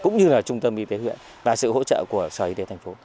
cũng như là trung tâm y tế huyện và sự hỗ trợ của sở y tế thành phố